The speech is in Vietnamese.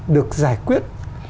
được giải quyết